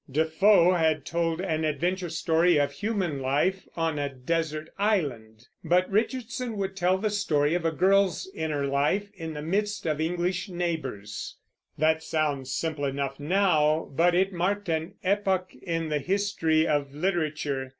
Defoe had told an adventure story of human life on a desert island, but Richardson would tell the story of a girl's inner life in the midst of English neighbors. That sounds simple enough now, but it marked an epoch in the history of literature.